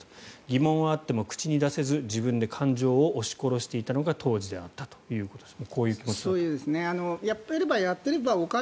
疑問はあっても口に出せず自分で感情を押し殺していたのが当時であったということです。